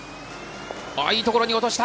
いいところに落とした。